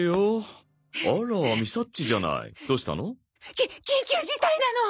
き緊急事態なの！